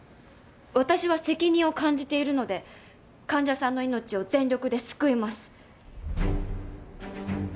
私は責任を感じているので患者さんの命を全力で救います。